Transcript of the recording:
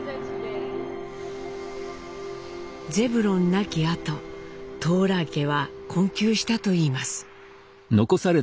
ゼブロン亡きあとトーラー家は困窮したといいます。